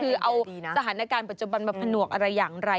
คือเอาสถานการณ์ปัจจุบันมาผนวกอะไรอย่างไร